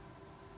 dan itu kan tentu